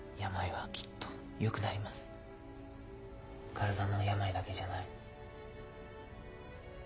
体の病だけじゃない。